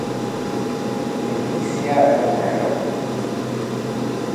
Leticia Romero